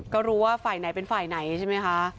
ก็รู้ว่าฝ่ายไหนเป็นฝ่ายไหนใช่ไหมคะ